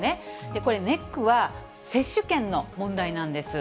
これ、ネックは接種券の問題なんです。